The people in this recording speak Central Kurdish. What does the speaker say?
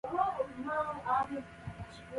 ئەوەیشیان بە زۆر هەر پێ لستیتەوە!